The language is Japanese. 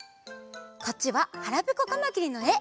こっちは「はらぺこカマキリ」のえ。